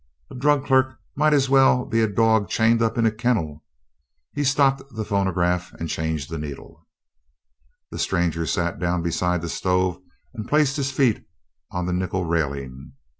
"A drug clerk might as well be a dog chained up in a kennel." He stopped the phonograph and changed the needle. The stranger sat down beside the stove and placed his feet on the nickel railing.